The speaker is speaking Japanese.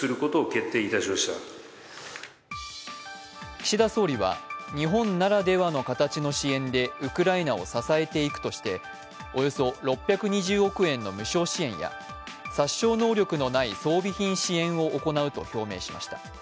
岸田総理は、日本ならではの形の支援でウクライナを支えていくとして、およそ６２０億円の無償支援や殺傷能力のない装備品支援を行うと表明しました。